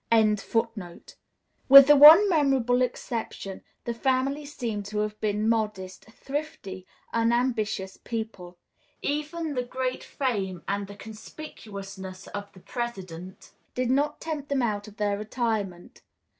] With the one memorable exception the family seem to have been modest, thrifty, unambitious people. Even the great fame and conspicuousness of the President did not tempt them out of their retirement.